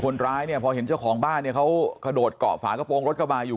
คนร้ายพอเห็นเจ้าของบ้านเนี่ยเขาขดกล่อเกาะฝากระโปรงรถกลับมาอยู่